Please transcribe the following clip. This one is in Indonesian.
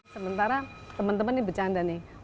sementara teman teman ini bercanda nih